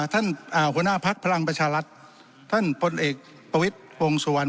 ท่านอ่าหัวหน้าภักดิ์พลังประชาลัทธ์ท่านผลเอกประวิทธิ์วงสุวรรค์